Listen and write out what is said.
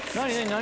何？